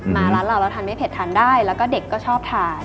ร้านเราเราทานไม่เผ็ดทานได้แล้วก็เด็กก็ชอบทาน